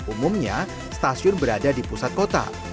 umumnya stasiun berada di pusat kota